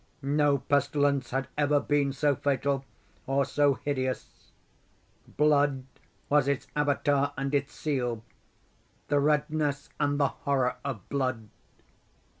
No pestilence had ever been so fatal, or so hideous. Blood was its Avatar and its seal—the redness and the horror of blood.